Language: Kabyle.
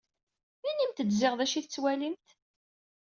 Inimt-d ziɣ d acu i tettwalimt.